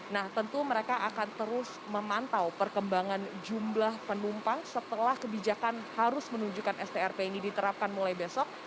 nah tentu mereka akan terus memantau perkembangan jumlah penumpang setelah kebijakan harus menunjukkan strp ini diterapkan mulai besok